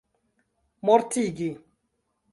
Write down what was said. mortigi